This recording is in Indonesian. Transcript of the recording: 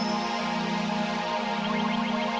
kimberly overland juga waktu itu